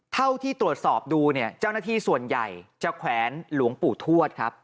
เท่าที่ตรวจสอบดูเนี่ยเจ้าหน้าที่ส่วนใหญ่จะแขวนหลวงปู่ทวดครับ